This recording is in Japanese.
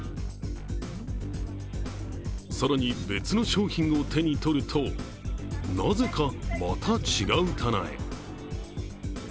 さらに、別の商品を手に取るとなぜかまた違う棚へ。